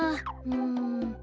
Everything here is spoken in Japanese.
うん。